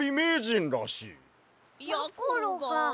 やころが。